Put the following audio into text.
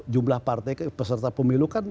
jumlah partai ke peserta pemilu